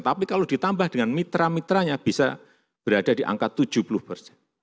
tapi kalau ditambah dengan mitra mitranya bisa berada di angka tujuh puluh persen